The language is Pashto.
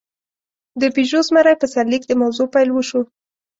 د «پيژو زمری» په سرلیک د موضوع پېل وشو.